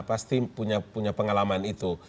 pasti punya pengalaman itu